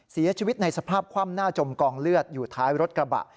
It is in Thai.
เสียชีวิตในสภาพคว่ำหน้าจมกองเลือดอยู่ท้ายรถกระบะ